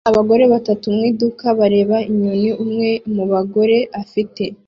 Abagore batatu mu iduka bareba inyoni umwe mu bagore afite